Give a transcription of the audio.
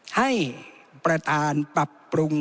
ให้ประธานปรับปรุง